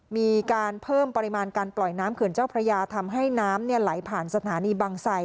มีการเพิ่มปริมาณการปล่อยน้ำเขื่อนเจ้าพระยาทำให้น้ำไหลผ่านสถานีบังไส